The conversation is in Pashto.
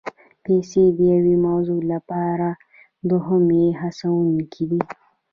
پیسې د یوې موضوع لپاره دوهمي هڅوونکي دي.